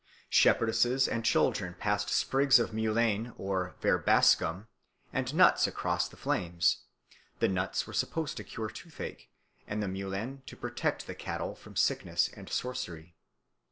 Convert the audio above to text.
Shepherdesses and children passed sprigs of mullein (verbascum) and nuts across the flames; the nuts were supposed to cure toothache, and the mullein to protect the cattle from sickness and sorcery.